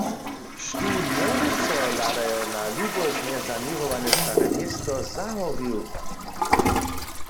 Štó njeby so hladajo na luboznje saněrowane stare město zahorił?